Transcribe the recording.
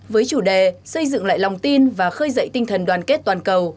với chủ đề xây dựng lại lòng tin và khơi dậy tinh thần đoàn kết toàn cầu